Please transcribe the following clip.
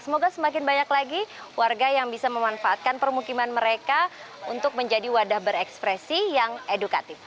semoga semakin banyak lagi warga yang bisa memanfaatkan permukiman mereka untuk menjadi wadah berekspresi yang edukatif